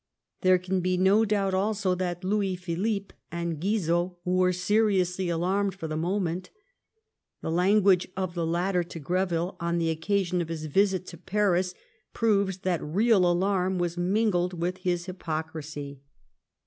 There can be no doubt also that Louis Philippe and Guizot were seriously alarmed for the moment ; the language of the latter to Greville on the occasion of his visit to Paris proves that real alarm was mingled with his hypocrisy.